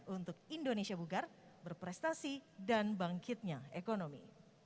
untuk indonesia bugar berprestasi dan bangkitnya ekonomi